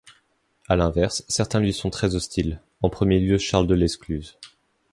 À l'inverse, certains lui sont très hostiles, en premier lieu Charles Delescluze.